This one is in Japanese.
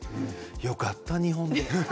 よかった日本で。